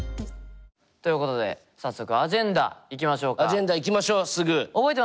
ということで早速アジェンダいきましょうすぐ。